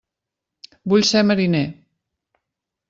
Vull ser mariner!